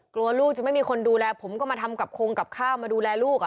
กลัวลูกจะไม่มีคนดูแลผมก็มาทำกับโครงกับข้าวมาดูแลลูก